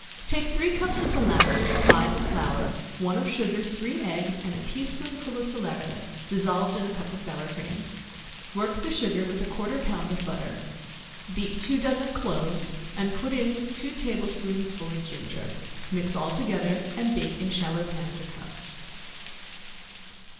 Take three cups of molasses, five of flour, one of sugar, three eggs, and a tea spoonful of salaeratus, dissolved in a cup of sour cream; work the sugar with a quarter of a pound of butter; beat two dozen cloves, and put in with two table spoonsful of ginger; mix all together, and bake in shallow pans or cups.